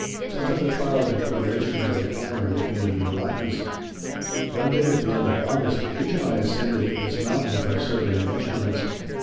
Such are the trials and tribulations of the climber in the Canadian Rockies. One day at the end of August, H. and I ascended this mountain with our surveying instruments.